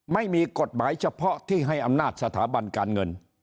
ไม่มีกฎหมายเฉพาะที่ให้อำนาจสถาบันการเงิน